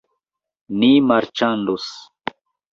Ni marĉandos.